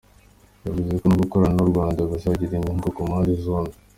Yavuze ko gukorana n’u Rwanda bizagira inyungu ku mpande zombi.